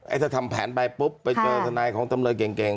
ถ้าทำแผนไปปุ๊บไปเจอทนายของจำเลยเก่ง